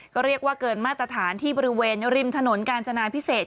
ก็เรียกว่าเกินมาตรฐานที่บริเวณริมถนนกาญจนาพิเศษ